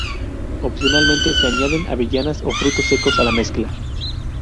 Opcionalmente se añaden avellanas o frutos secos a la mezcla.